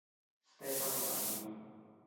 Stefano Paghi